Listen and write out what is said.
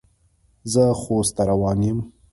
زه خوست ته روان یم.